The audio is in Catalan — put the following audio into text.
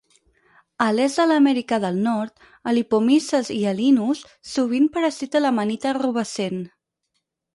A l'est de l'Amèrica del Nord, el Hypomyces hyalinus sovint parasita l'Amanita rubescent.